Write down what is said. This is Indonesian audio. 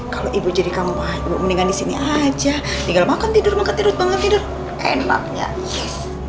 kalau ibu jadi kamu mendingan disini aja tinggal makan tidur makan tidur banget tidur enaknya yes